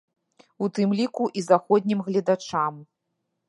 У тым ліку і заходнім гледачам.